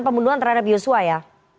pembunuhan terhadap yosua ya